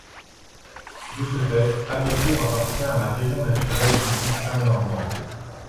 De ce fait, Amécourt appartient à la région naturelle du Vexin normand.